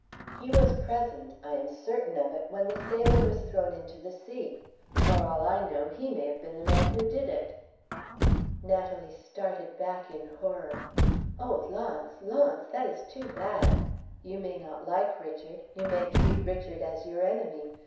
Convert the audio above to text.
"He was present I am certain of it when the sailor was thrown into the sea. For all I know, he may have been the man who did it." Natalie started back in horror. "Oh, Launce! Launce! that is too bad. You may not like Richard you may treat Richard as your enemy.